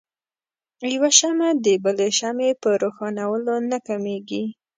يوه شمعه د بلې شمعې په روښانؤلو نه کميږي.